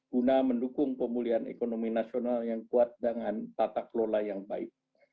guna mendukung pemulihan ekonomi nasional yang kuat dengan tata kelola yang baik